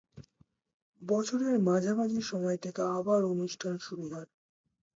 বছরের মাঝামাঝি সময় থেকে আবার অনুষ্ঠান শুরু হয়।